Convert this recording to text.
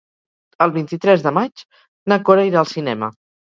El vint-i-tres de maig na Cora irà al cinema.